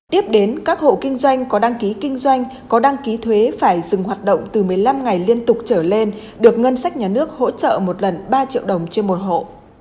tiếp đến các hộ kinh doanh có đăng ký kinh doanh có đăng ký thuế phải dừng hoạt động từ một mươi năm ngày liên tục trở lên được ngân sách nhà nước hỗ trợ một lần ba triệu đồng trên một hộ